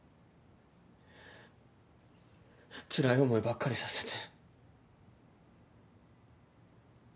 つらい思いばっかりさせて。